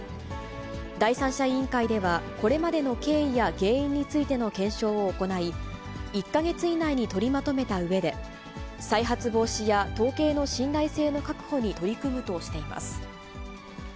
第三者委員会では、これまでの経緯や原因についての検証を行い、１か月以内に取りまとめたうえで、再発防止や統計の信頼性の確保に取り組むとしています。